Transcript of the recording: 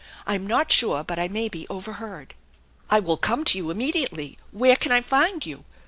I'm not sure but I may be^ overheard." " I will come to you immediately. Where can I find you?